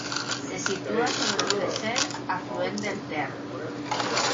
Se situa sobre el Freser, afluent del Ter.